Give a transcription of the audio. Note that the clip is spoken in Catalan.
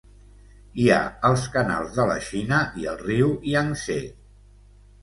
Hi ha els canals de la Xina i el riu Yang-tse.